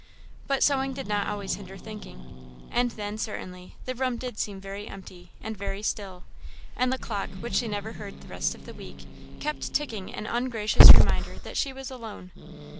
But sewing did not always hinder thinking. And then, certainly, the room did seem very empty, and very still; and the clock, which she never heard the rest of the week, kept ticking an ungracious reminder that she was alone.